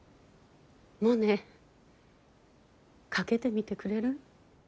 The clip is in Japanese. モネかけてみてくれる？